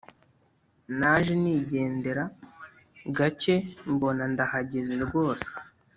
Naje nigendera gake mbona ndahageze rwose